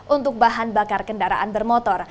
untuk bahan bakar kendaraan bermotor